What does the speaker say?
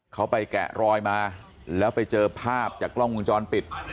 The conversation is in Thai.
เขาไปแกะรอยมาแล้วไปเจอภาพจากกล้องวงจรปิด